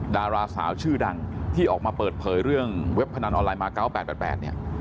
ดาราสาวชื่อดังที่ออกมาเปิดเผยเรื่องเว็บพนันออนไลน์มา๙๘๘เนี่ย